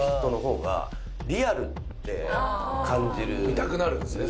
見たくなるんですね